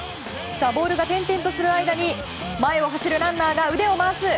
ボールが転々とする間に前を走るランナーが腕を回す。